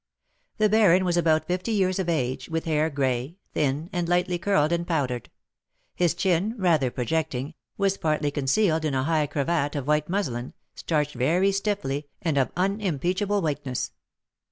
The baron was about fifty years of age, with hair gray, thin, and lightly curled and powdered. His chin, rather projecting, was partly concealed in a high cravat of white muslin, starched very stiffly, and of unimpeachable whiteness.